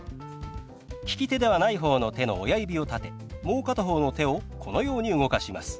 利き手ではない方の手の親指を立てもう片方の手をこのように動かします。